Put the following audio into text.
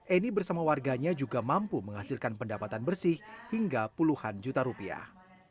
eni bersama warganya juga mampu menghasilkan pendapatan bersih hingga puluhan juta rupiah